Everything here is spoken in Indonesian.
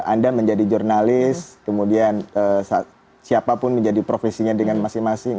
anda menjadi jurnalis kemudian siapapun menjadi profesinya dengan masing masing